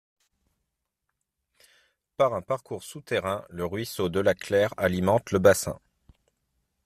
Par un parcours souterrain, le ruisseau de la Claire alimente le bassin.